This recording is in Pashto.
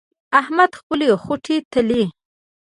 احمد خپلې خوټې تلي.